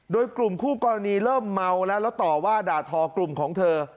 โดยกลุ่มคู่กรณีเริ่มเมาแล้วแล้วต่อว่าด่าทอกลุ่มของเธอ